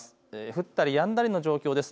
降ったりやんだりの状況です。